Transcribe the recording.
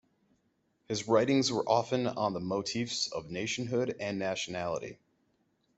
His writings were often on the motifs of nationhood and nationality.